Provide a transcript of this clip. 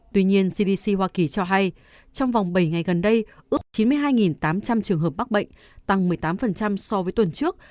tuy nhiên cdc hoa kỳ cho hay trong vòng bảy ngày gần đây ước chín mươi hai tám trăm linh trường hợp bắc bệnh tăng một mươi tám so với tuần trước